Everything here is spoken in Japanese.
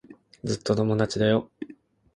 ずっと友達だよ。